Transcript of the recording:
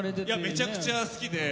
めちゃくちゃ好きで。